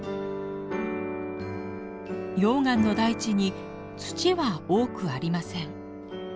溶岩の大地に土は多くありません。